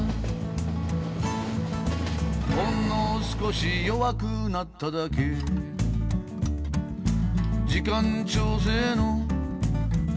「ほんの少し弱くなっただけ」「時間調整の小さな駅で」